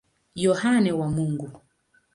Yohane wa Mungu.